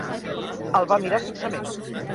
El va mirar fixament.